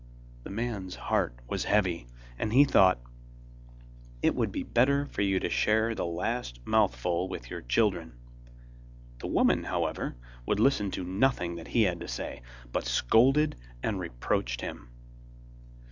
The man's heart was heavy, and he thought: 'It would be better for you to share the last mouthful with your children.' The woman, however, would listen to nothing that he had to say, but scolded and reproached him.